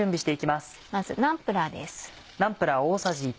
まずナンプラーです。